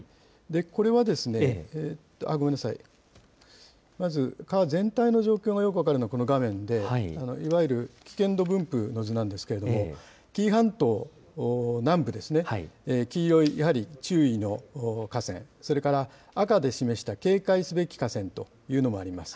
これはですね、ごめんなさい、まず川の全体の状況がよく分かるのは、この画面で、いわゆる危険度分布の図なんですけれども、紀伊半島南部ですね、黄色い、やはり注意の河川、それから赤で示した警戒すべき河川というのもあります。